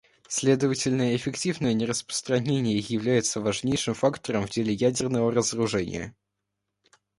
Следовательно, эффективное нераспространение является важнейшим фактором в деле ядерного разоружения.